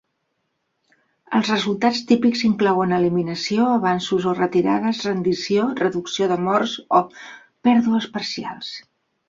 Els resultats típics inclouen eliminació, avanços o retirades, rendició, reducció de morts o pèrdues parcials.